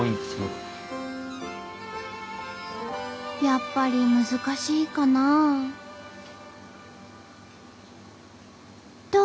やっぱり難しいかな？と